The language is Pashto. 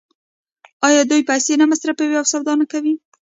آیا دوی پیسې نه مصرفوي او سودا نه کوي؟